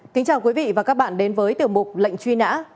kính chào quý vị và các bạn đến với tiểu mục lệnh truy nã